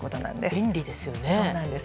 便利ですね。